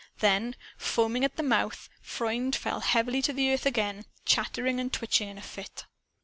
Then, foaming at the mouth, Freund fell heavily to earth again, chattering and twitching in a fit.